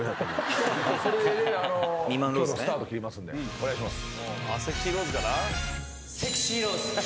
お願いします。